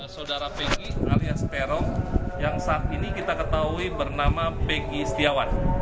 saudara penggi alias terong yang saat ini kita ketahui bernama peggy setiawan